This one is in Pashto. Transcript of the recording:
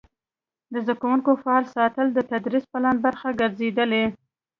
د زده کوونکو فعال ساتل د تدریسي پلان برخه ګرځېدلې.